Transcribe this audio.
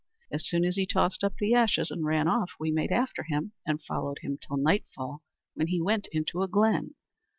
As soon as he tossed up the ashes and ran off, we made after him, and followed him till nightfall, when he went into a glen.